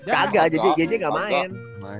kagak jj gak main